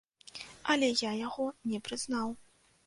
Але я яго не прызнаў.